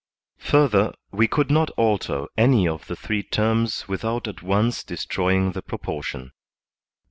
Further, we could not alter any of the three terms without at once destroying the proportion.